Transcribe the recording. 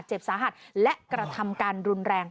จริงจริงจริงจริงจริงจริง